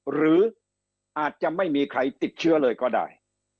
หรืออาจจะไม่มีใครติดเชื้อเลยก็ได้